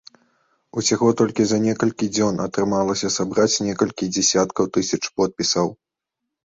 Усяго толькі за некалькі дзён атрымалася сабраць некалькі дзесяткаў тысяч подпісаў.